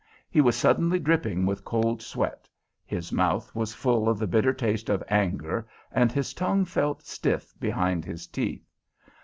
He was suddenly dripping with cold sweat, his mouth was full of the bitter taste of anger and his tongue felt stiff behind his teeth.